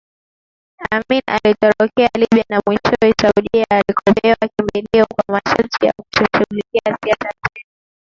Amin alitorokea Libya na mwishowe Saudia alikopewa kimbilio kwa masharti ya kutoshughulikia Siasa tena